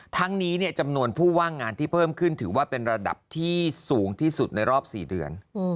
ทั้งนี้จำนวนผู้ว่างงานที่เพิ่มขึ้นถือว่าเป็นระดับที่สูงที่สุดในรอบ๔เดือน